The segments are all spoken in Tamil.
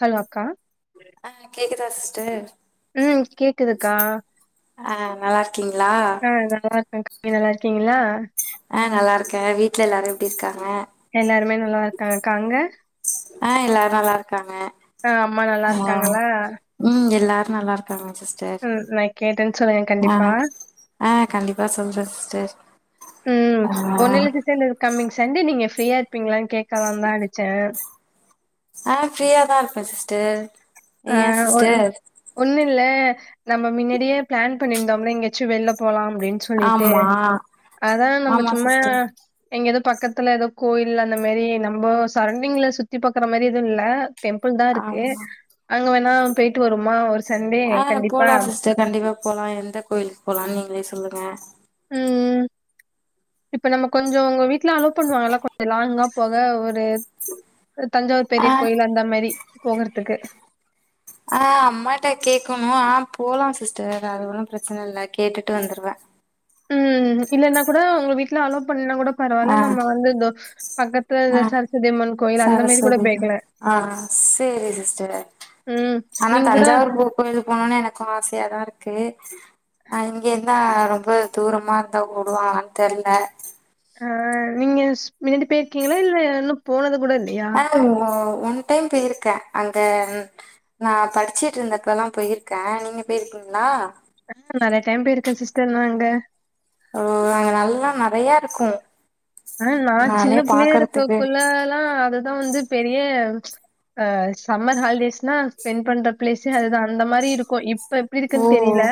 ஹலோ அக்கா அ கேக்குதா சிஸ்டர் ம் கேக்குதுக்கா ஆ நல்லா இருக்கீங்களா ஆ நல்லாருக்கேக்கா நீங்க நல்லாருக்கீங்களா ஆ நல்லா இருக்கே வீட்ல எல்லாரு எப்டி இருக்காங்க எல்லாருமே நல்லாருக்காங்கக்கா அங்க ஆ எல்லாரு நல்லா இருக்காங்க ஆ அம்மா நல்லா இருக்காங்களா ம் எல்லாரு நல்லாருக்காங்க சிஸ் சேரி ம் நான் கேட்டேன்னு சொல்லுங்க ஆ கண்டிப்பா ஆ கண்டிப்பா சொல்ற சிஸ்டர் ம் ஆ ஒன்னுல்ல சிஸ்டர் கம்மிங் சண்டே நீங்க ஃப்ரீயா இருப்பீங்களானு கேக்கலதா அடிச்சே ஆ ஃப்ரீயாதா இருப்ப சிஸ்டர் ஆ ஏ ஒரு சிஸ்டர் ஒண்ணுல்ல நம்ம மின்னாடியே பிளான் பண்ணிருந்தோம்ல எங்கயாச்சு வெள்ல போலா அப்டின் சொல்லிட்டு ஆமா அதா நம்ம ஆமா சும்மா சிஸ்டர் எங்கயாது பக்கத்துல எதோ கோயில் அந்த மாரி நம்போ சரௌண்டிங்ல சுத்தி பாக்ற மாரி எது இல்ல டெம்பிள் தா இருக்கு ஆமா அங்க வேணா போய்ட்டு வருமா ஒரு சண்டே ஆ கண்டிப்பா போலா சிஸ்டர் கண்டிப்பா போலா எந்த கோயிலுக்கு போலானு நீங்களே சொல்லுங்க ம் இப்ப நம்ம கொஞ்சோ உங்க வீட்லா அலோ பண்ணுவாங்கலா கொஞ்சோ லாங்கா போக ஒரு தஞ்சாவூர் பெரிய ஆ கோயில் அந்த மாரி போகறதுக்கு ஆ அம்மாட்ட கேக்கணு ஆ போலா சிஸ்டர் அது ஒன்னு பிரச்சன இல்ல கேட்டுட்டு வந்துருவ ம் இல்லன்னா கூட உங்க வீட்ல அலோ பண்லனா கூட பரவால்ல ஆ நம்ம வந்து இதோ ஆ பக்கத்துல சரஸ்வதியம்மன் கோயில் அந்த மாரி கூட சரஸ்வதி போய்க்குலா ஆ சேரி சிஸ்டர் ம் ஆனா நீங்க கூட தஞ்சாவூர் போ கோயிலுக்கு போணுனு எனக்கு ஆசையாதா இருக்கு நா இங்க இருந்தா ரொம்ப தூரமா இருந்தா உடுவாங்களான்னு தெர்ல ஆஹ் நீங்க பேர் கீழ இல்ல இன்னு போனது கூட இல்லையா அஹ் ஒன் டைம் போயிருக்க அங்க நா படிச்சிட்டு இருந்தப்பல்லால போயிருக்க நீங்க போயிருக்கீங்களா ஆ நெறைய டைம் போயிருக்க சிஸ்டர் நா அங்க ஓ அங்க நல்லா நெறையா இருக்கு. ஆ நா நானே சின்ன பிள்ளைய பாக்கறதுக்கு இருக்கக்குள்ளல்லா அதுதான் வந்து பெரிய அஹ் சம்மர் ஹாலிடேஸ்னா ஸ்பெண்ட் பண்ற பிளேஸே அது தா அந்த மாரி இருக்கு இப்ப எப்டி ஓ இருக்குன்னு தெரில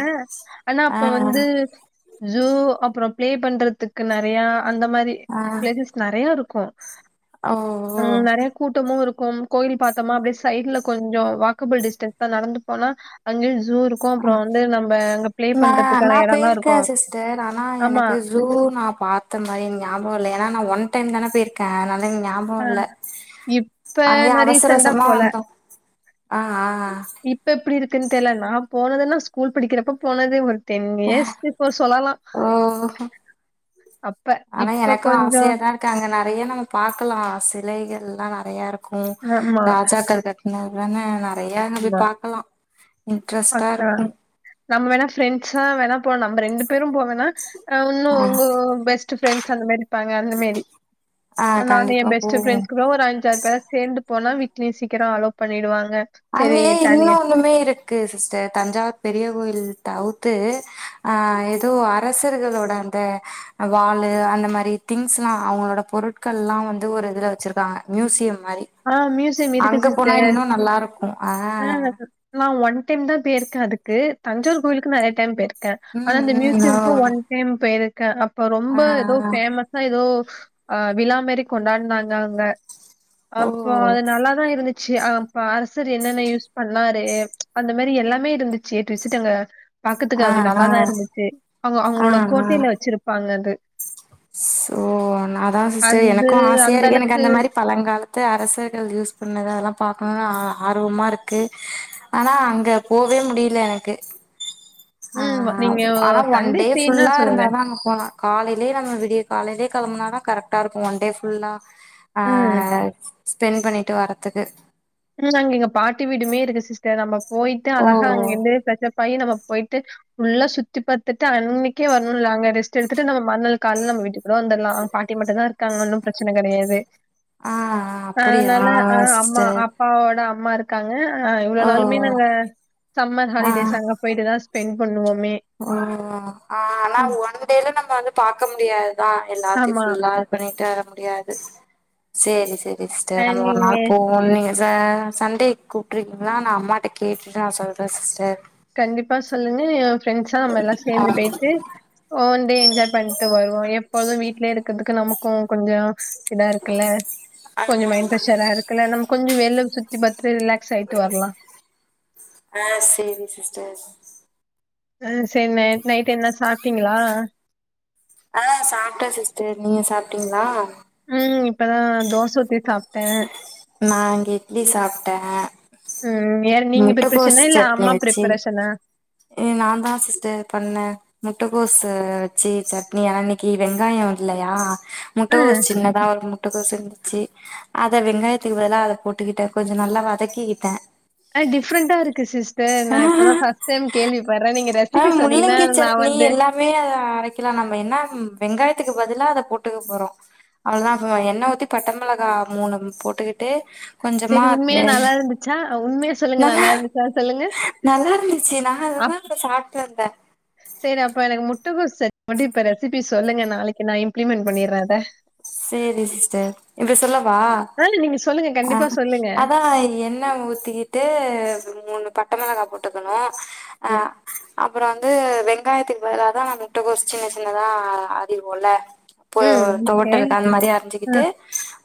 ஆனா ஆ அப்ப வந்து ஜூ அப்றோ பிளே பண்றதுக்கு நெறையா அந்த மாரி ஆ பிளேசஸ் நெறையா இருக்கும் ஓ ஓ ம் நெறை கூட்டமு இருக்கும் கோயில் பாத்தமா அப்டே சைட்ல கொஞ்சோ வாக்கபள் டிஸ்டன்ஸ் தா நடந்து போனா அங்கியு ஜூ இருக்கு ஆ அப்றோ வந்து நம்ம அங்க பிளே நா நா பண்றதுக்கான எடல்லா போயிருக்கே இருக்கும் சிஸ்டர் ஆனா ஆமா எனக்கு ஜூ நா பாத்த மாரி ஞாபகோ இல்ல ஏன்னா நா ஒன் டைம் தான போயிருக்க அதுனால எனக்கு ஞாபக ஆ இல்ல இப்ப அங்கயே நா அவசர ரீசெண்டா அவசரமா போல வந்தோ ஆஹ் ஆஹ் இப்ப எப்டி இருக்குன்னு தெர்ல நா போனதெல்லா நா ஸ்கூல் படிக்கிறப்ப போனது டென் இயர்ஸ் பிஃபோர் சொல்லலா ஓ அப்ப இப்ப கொஞ்சோ கா அங்க நெறயா நம்ம பாக்கலா சிலைகள்லா நெறய இருக்கு ஆமா ராஜாக்கள் இந்த தான நெறயா அங்க போய் ஆமா பாக்கலா இன்ட்ரெஸ்ட்டா அக்கா இருக்கு நம்ம வேணா ப்ஃரெண்ட்ஸா வேணா போனா நம்ம ரெண்டு பேரு போ னா ஒன்னு ஆ உங்க பெஸ்ட்டு ப்ஃரண்ட்ஸ் அந்த மேரி இருப்பாங்க அந்த மேரி ஆ நானு எ கண்டிப்பா பெஸ்ட்டு போவோ ப்ரெண்ட்ஸ் கூட ஒரு அஞ்சாறு பேர் சேந்து போனா வீட்லயு சீக்ரோ அலோ பண்ணிடுவாங்க சரி அங்கயே இன்னு தனியா ஒன்னுமே இருக் க்கு சிஸ்டர் தஞ்சாவூர் பெரிய கோயில் தவுத்து ஆ ஏதோ அரசர்களோட ந்த வாலு அந்த மாரி திங்ஸ்ல்லா அவங்களோட பொருட்கள்லா வந்து ஒரு இதுல வச்சிருக்காங்க மியூசியம் மாரி ஆ மியூசியம் இருக்கு அங்க போனா சிஸ்டர் இன்னு நல்லா இருக்கு ஆ நான் ஒன் டைம் தா பேயிருக்கே அதுக்கு தஞ்சாவூர் கோயிலுக்கு நெறைய டைம் போயிருக் கே ஆனா ம் அந்த ம் ஓ மியூசியம்க்கு ஒன் டைம் போயிருக்கே அப்ப ரொம்ப ஆ ஏதோ ஆ பேமஸ் ஏதோ ஆ விழாமாறி கொண்டாடுனாங்க அங்க ஓ அப்போ அது நல்லாதா இருந்துச்சு அப்ப அரசர் என்னென்ன யூஸ் பண்ணாரு அந்த மாரி எல்லாமே இருந்துச்சு ஏட்டு இசட்டுங்க பாக்கத்துக்கு ஆ அது ஆ நல்லாதா இருந்துச்சு அவங்க ஆ அவங்களோட கோட்டையில வச்சிருப்பாங்க அது ஸ் ஓ நா அதா சிஸ்டர் அது எனக்கு ஆசையா இருக்கு எனக்கு அளவுக்கு அந்த மாரி பழங்காலத்து அரசர்கள் யூஸ் பண்ணது அதெல்லா பாக்கணும்னு அ ஆர்வமா இருக்கு ஆனா அங்க போவே முடியல எனக்கு ஆ ம் நீங்க ஆனா ஒன் சண்டே டே ஃப்ரீன்னா ஃபுல்லா இருந்தா சொல்லுங்க. தா அங்க போலா காலைலே நம்ம விடிய காலைலே கெளம்புனாதா கரெக்டா இருக்கு ஒன்டே ஃபுல்லா ஆ ம். ஸ்பெண்ட் பண்ணிட்டு வர்றதுக்கு ம் அங்க எங்க பாட்டி வீடுமே இருக்கு சிஸ்டர் நம்ம போயிட்டு ஓ அழகா அங்கிருந்து பிரஷப் ஆயி நம்ம போயிட்டு ஃபுல்லா சுத்தி பாத்துட்டு அன்னைக்கே வரணு இல்ல அங்க ரெஸ்ட் எடுத்துட்டு நம்ம மறு நாள் காலைல நம்ம வீட்டுக்கு அப்பறோ வந்துடலா அங்க பாட்டி மட்டுந்தா இருக்காங்க ஒன்னு ப்ரச்சனை கெடையாது ஆ அப்படியா அதனால ஆ அம்மா சிஸ்டர் அப்பாவோட அம்மா இருக்காங்க ஆ இவ்ளோ ஓ நாளுமே நாங்க சம்மர் ஆ ஹாலிடேஸ் அங்க போயிட்டுதா ஸ்பெண்ட் பண்ணுவோமே ஆ ஆனா ம். ஒன் டேல நம்ம வந்து பாக்க முடியாதுதா எல்லாத்தையு ஆமா. புல்லா பண்ணிட்டு வர முடியாது சேரி சேரி அ சிஸ்டர் நம்ம ஒரு நீங்க நாள் போகோம்னு நீங்க ச சண்டே கூப்ட்ருக்கீங்கன்னா நா அம்மாட்ட கேட்டுட்டு நா சொல்றே சிஸ்டர் கண்டிப்பா சொல்லுங்க ப்ரெண்ட்ஸா நம்ம எல்லா சேந்து பேயிட்டு ஓன் டே என்ஜாய் பண்ணிட்டு வருவோ எப்பொழுது வீட்லயே இருக்கிறதுக்கு நமக்கு கொஞ்சோ இதா இருக்குல்ல கொஞ்ச மைண்ட் ப்ரெஷரா இருக்குல்ல நம்ம கொஞ்ச வெள்ள சுத்தி ஏ பர்த்டே ரிலாக்ஸ் ஆகிட்டு வரலா ஆ சேரி சிஸ்டர் ஆ சரி நை நைட் என்ன சாப்ட்டீங்களா ஆ சாப்ட்டா சிஸ்டர் நீங்க சாப்ட்டீங்களா ம் இப்பதா தோசுத்தி சாப்ட்டே நா இங்க இட்லி சாப்ட்டே ம் யார் நீங்க முட்டகோஸ் ப்ரிப்பரேஷனா? இல்ல சட்னி அம்மா வச்சு ப்ரிப்பரேஷனா? ஏ நாந்தா சிஸ்டர் பண்ணே முட்டைகோசு வச்சு சட்னி ஆனா இன்னைக்கி வெங்காயோ இல்லையா ஆ. முட்டைக்கோஸ் சின்னதா ஒரு முட்டைகோஸ் இருந்துச்சு அத வெங்காயத்துக் பதிலா அத போட்டுக்கிட்டே கொஞ்ச நல்லா வதக்கிக்கிட்டே அ டிஃப்ரண்டா இருக்கு சிஸ்டர் நா இப்பதா ஃபர்ஸ்ட் டைம் கேள்வி படுறே நீங்க ரெசிபி சொன்னீங்கன்னா நா வந்து வே அத அரைக்கலா நம்ம என்ன வெங்காயத்துக்கு பதிலா அத போட்டுக்க போறோ அவ்வளோதாப்ப எண்ணெ ஊத்தி பட்டைமெளகா மூணு போட்டுக்கிட்டு கொஞ்சமா சரி உண்மையா இது நல்லா இருந்துச்சா? உண்மைய சொல்லுங்க நல்லா இருந்துச்சா சொல்லுங்க. நல்லா இருந்துச்சு நா அததா அப் இப்பதா சாப்ட்டு வந்த சரி அப்ப எனக்கு முட்டக்கோஸ் சத் மட்டு இப்ப ரெசிபி சொல்லுங்க நாளைக்கு நா இம்ப்ளிமெண்ட் பண்ணிற அத செரி சிஸ்டர் இப்ப சொல்லவா ஆ நீங்க சொல்லுங்க. ஆ கண்டிப்பா சொல்லுங்க. அதா என் எண்ண ஊத்திக்கிட்டு மூணு பட்டைமெளகா போட்டுக்கணு அ ம். அப்புற வந்து வெங்காயத்துக்கு பதிலாதா நம்ம முட்டைகோஸ் சின்ன சின்னதா அரிவோல ம் தேங் அதே அரிஞ்சிக்கிட்டு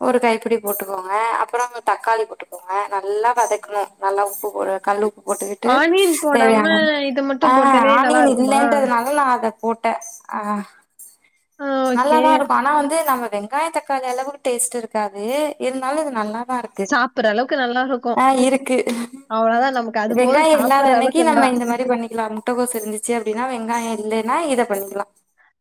ஒரு கைப்புடி போட்டுக்கோங்க அப்புற தக்காளி போட்டுக்கோங்க நல்லா வதக்கணு நல்லா உப்பு போடுங் கல்லுப் போட்டுக்கிட்டு ஆனியன் போடாம தேவையான இது ஆ மட்டும் போட்டாலே நல்லா ஆனியன் இருக்குமா? இல்லைன்றதுனால நா அத போட்ட ஆ ஆ ஓகே. நல்லாதா இருக்கு ஆனா வந்து நம்ம வெங்காய தக்காளி அளவுக்கு டேஸ்ட் இருக்காது இருந்தாலு இது நல்லாதா இருக் து சாப்பிடுற அளவுக்கு நல்லா இருக்கும். ஆ இருக்கு அவ்வளோதான் நமக்கு அது போதும் வெங்காய சாப்பிடுற இல்லாதனக்கி அளவுக்கு இருந்தா. நம்ம இந்த மாரி இது பண்ணிக்லா முட்டைக்கோசு இருந்துச்சு அப்டின்னா வெங்காய இல்லைன்னா இதை பண்ணிக்கலா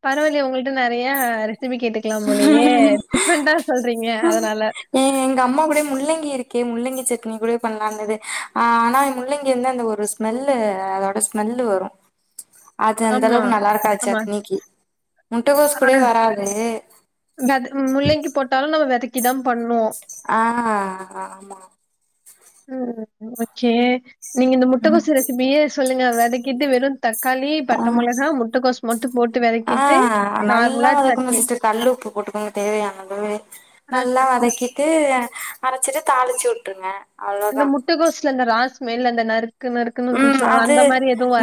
பரவாலயே உங்கள்ட்ட நெறைய ரெசிபி கேட்டு க்கலா போலியே டிஃப்ரெண்டா சொல்றீங்க அதனால எங்க அம்மா கூடய முள்ளங்கி இருக்கே முள்ளங்கி சட்னி கூட பண்ணலா இருந்தது ஆ ஆனா முள்ளங்கி வந்து அந்த ஒரு ஸ் ஸ்மெல்லு அதோட ஸ்மெல்லு வரு [inaudible] அது அந்த ஆமா அளவுக்கு நல்லா இருக்காது ஆமா சட்னிக்கு முட்டைகோஸ் ஆ கூட வராது வெத முள்ளலைங்கி போட்டாலு நம்ம வெதக்கிதா பண்னு ஆ ஆமா ம் ஓகே நீங்க இந்த முட்டகொசு ரெசிபியே சொல்லுங்க வெதக்கிட்டு வெறு தக்கா க்காளி பட்டமொளகா முட்டை கொசு மட்டு போட்டு ஆ வெதக்கிட்டு நார்மலா சட்னி தேவையானதுவே அ நல்லா வதக்கிட்டு அரச்சிட்டு தாளிச்சு வுட்ருங்க அந்த முட்டுகோஸ்ல அந்த ராஸ்மேல் அந்த நறுக் ம் அது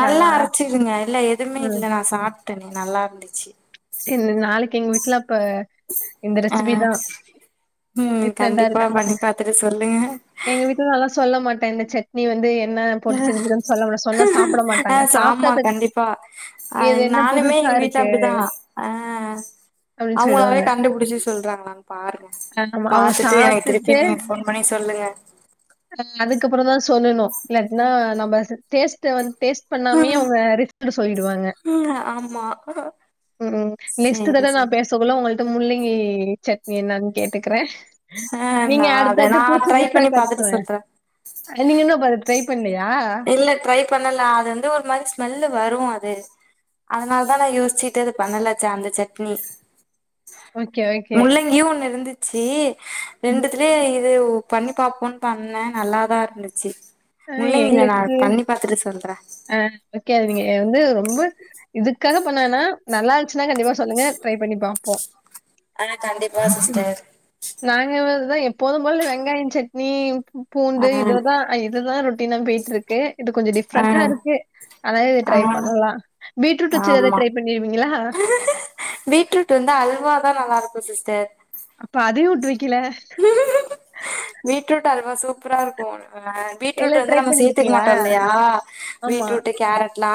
நல்லா அரைச்சடுங்க இல்ல எதுவுமே இல்ல ம். நா சாப் தனி நல்லா இருந்துச்சு சரி நாளைக்கு எங்க வீட்டுல இப்ப அ ம் டிஃப்ரெண்டா கண்டிப்பா இருக்கேன். பண்ணி பாத்துட்டு சொல்லுங்க எங்க வீட்டு நல்லா சொல்ல மாட்டே இந்த சட் னி வந்து என்ன போட்டு செஞ்சுக்கன் சொல்ல சொன்ன சாப்ட ஆ மாட்டாங்க ச ஆமா சாப்ட்டதுக் கண்டிப்பா அ இது என்ன நானுமே புதுசா எங்க வீட்ல இருக்கு அப்டிதா ஆ அப்டின்னு அவங்களாவே சொல்லிடுவாங்க. கண்டுபுடிச்சு சொல்றாங்களான் பாருங்க ஆமா. அவங்க பாத்துட்டு எனக்கு திருப்பி சாப்ட்டுட்டு நீ ஃபோன் பண்ணி சொல்லுங்க அ அதுக்கப்பற தா சொல்லணு இல்லனா நம்ம டேஸ்ட வந்து டேஸ்ட் பண்ணாமே அவங்க ரிஸ்க்னு சொல்லிடுவாங்க ஆமா ம் நெக்ஸ்ட் சேரி தடவ நா சேரி பேசக்குல உங்கள்ட முள்ளங்கி சட்னி என்னான் கேட்டுக்கறே ஆ நீங்க நா அத அடுத்தது நா புதுசு ட்ரை புதுசா பண்ணி பாத்துட்டு கத்துவ சொல்றே நீங்க இன்னு அப்ப அத ட்ரை பண்லியா இல்ல ட்ரை பண்லா அது வந்து ஒரு மாதிரி ஸ்மெல்லு வரு அது அதனால தா நா யோசிச்சுட்டு அது பண்ணலச்ச அந்த சட்னி ஓகே, ஓகே. முள்ளங்கியு ஒண்ணு இருந்துச்சு ம். ரெண்டுத் இ இது பண்ணி பாப்போன்னு பண்ண நல்லாதா இருந்துச்சு அ முள்ளங்கில நா பண்ணி பாத்துட்டு சொல்ற அஹ் ஓகே அத நீங்க வந்து ரொம்ப இதுக்காக பண்ண வேணா நல்லா இருந்துசுன்னா கண்டிப்பா சொல்லுங்க ட்ரை பண்ணி பாப்போ ஆ கண்டிப்பா சிஸ்டர் நாங்கதா எப்போதும் போல வெங்காயோ சட்னி ஆ பூண்டு இதுதா இதுதா ரொட்டீனா போய்ட்டுருக்கு இது கொஞ்சோ ஆ டிஃப்ரெண்டா இருக்கு ஆனா இது ஆ ட்ரை பண்லா பீடரூட் வெச்சு எதாவது ஆமா ட்ரை பண்ணிருவீங்களா பீட்ரூட் வந்து அல்வாதா நல்லா இருக்கும் சிஸ்டர் அப்ப அதையு உட்டு வைக்கல பீட்ரூட் அல்வா சூப்பரா இருக்கு இல்ல பீட்ரூட் வந்து ட்ரை நம்ம சேர்த்து பண்ணிருக்கீங்களா? மாட்டோம் இல்லையா ஆமா. பீட்ரூட்டு கேரட் ல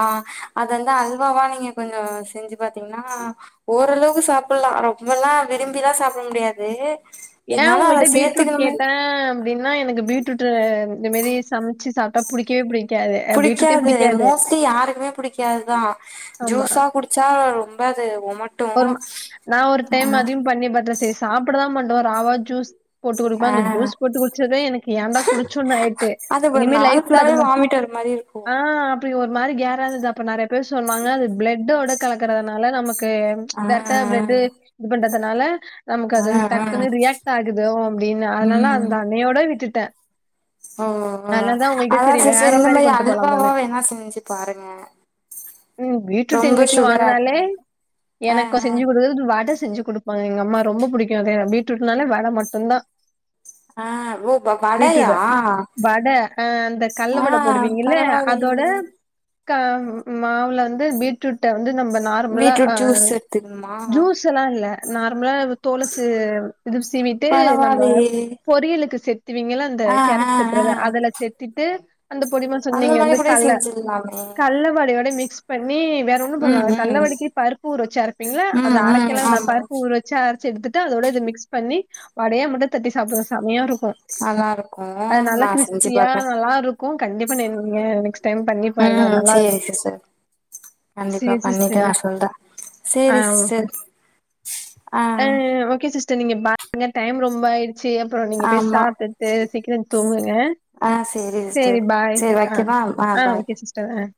அது வந்து அல்வாவா நீங்க கொஞ்சோ செஞ்சு பாத்தீங்கன்னா ஓரளவுக்கு சாப்பல்லா ரொம்பல்லா விரும்பில்லா சாப்ட முடியாது ஏ இருந்தாலு அத உங்கள்ட்ட பீட்ரூட் சேத்துக்கணுமே கேட்ட அப்டின்னா எனக்கு பீட்ரூட்டு இந்த மாரி சமைச்சு சாப்ட்டா புடிக்கவே புடி புடிக்காது மோஸ்ட்லி யாருக்குமே புடிக்காதுதா ஆமா. ஜூஸா குடு ச்சா ரொம்ப அது ஒமட்டு ஒரு நா ஒரு டைம் அதையு பண்ணி பாத்தே செரி சாப்டதா மாட்டோ ராவா ஜூஸ் போட்டு ஆ குடுப்ப ஜூஸ் போட்டு குடிச்சதே எனக்கு ஏன்டா குடிச்சோன்னு ஆயிட்டு இனிமே லைஃப்ல அதுமட் [unintelligible] இருக்குவோ ஒரு மாரி கேறாகுது அப்ப நெறைய பேர் சொன்னாங்க அது பிளட்டோட கலக்கறதுனால நமக் கு ஆ டேரட்டா பிளட்டு இது பண்றதுனால நமக்கு ஆ அது ஆ ஆ டக்குன்னு ரியாக்ட் ஆகுதோ அப்டின்னு அதனால ம் அத அன்னையோட விட்டுட்ட ஓ ஓ அதா வேற சிஸ்டர் இந்த மாரி கொண்டு அல்வாவா போலாமான்னு வேணா செஞ்சு பாருங்க ம் பீட்ரூட் எங்க ரொம்ப வீட்ல சுகர் ஆட் வாங்கனாலே பண்ணாம ஆ எனக்கு ஆ செஞ்சு கொடுக்குது வடை செஞ்சு கொடு எங்க அம்மா ரொம்ப புடிக்கு அத பீட்ரூட்னால வட மட்டுந்தா ஆ ஓ வ வடையா பீட்ருட்ட வட அஹ் அந்த கல்ல ஆ வட போடுவீங்கல்ல அதோட பரவாயில்லயே கா மாவுல வந்து பீ பீட்ரூட்ட வந்து நம்ம நார்மலா அ பீட்ரூட் ஜூஸ் எடுத்துக்கணுமா ஜூஸ் ல்லா இல்ல நார்மலா தோலசீ இது சீவிட்டு நம்ப பரவாயில்லயே பொரியலுக்கு செத்துவீங்கள அந்த ஆ ஆ கேரட் ஆ செத்துறத அதுல செத்திட்டு அந்த பொடிமா அந்த சொன்னீங்க மாரி வந்து கூட கல்ல செஞ்சிடலாமே கல்ல வடையோட மிக்ஸ் பண்ணி வேற ஒன்னு ம் போடவேணா ம் கல்லவடக்கி பருப்பு ஊற வச்சு அரப்பீங்கல்ல ம் அத ம் அரைக்கலா வேணா ஆமா பருப்பு ஊற வச்சு ச்ச அரைச்சு எடுத்துட்டு அதோட இது மிக்ஸ் பண்ணி வடையா மட்டு தட்டி சாப்டுவோ சமையா இருக்கு நல்லா இருக்கு அது நல்லா நா செஞ்சு கிரிஸ்பியா பாக்குறே நல்லா இருக்கும் கண்டிப்பா நீங்க டைம் பண்ணி பாருங்க நல்லா எஸ் சார் கண்டிப்பா சேரி பண்ணிட்டு சிஸ்டர் நா சொல்ற சேரி சிஸ்டர் ஆ ஆஹ் ஓகே சிஸ்டர் நீங்க பாருங்க டைம் ரொம்ப ஆய்டுச்சு அப்றோ நீங்க போய் ஆமா சாப்டுட்டு சீக்கிரோ தூங்குங்க ஆ சேரி சிஸ்டர் சரி பாய் சேரி ஆ வைக்கவா ஆ பாய் ஓகே சிஸ்டர் ஆ